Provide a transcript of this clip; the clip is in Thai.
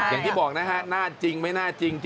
อย่างที่บอกนะฮะหน้าจริงไม่น่าจริง